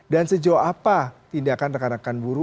dan sejauh apa tindakan rekan rekan buruh